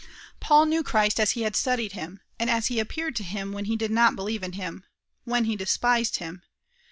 "Paul knew Christ as he had studied him, and as he appeared to him when he did not believe in him when he despised him.